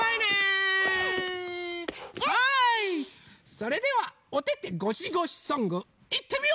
それではおててごしごしソングいってみよ！